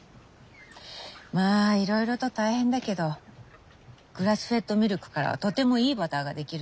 まあいろいろと大変だけどグラスフェッドミルクからはとてもいいバターが出来るの。